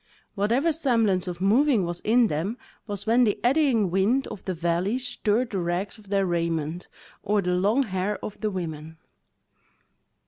Whatever semblance of moving was in them was when the eddying wind of the valley stirred the rags of their raiment, or the long hair of the women.